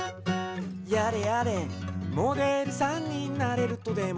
「やれやれモデルさんになれるとでも」